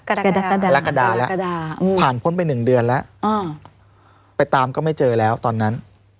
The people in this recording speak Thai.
กรกฎาแล้วผ่านพ้นไปหนึ่งเดือนแล้วไปตามก็ไม่เจอแล้วตอนนั้น